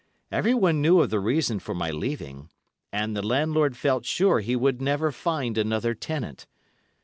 Everyone knew of the reason for my leaving, and the landlord felt sure he would never find another tenant.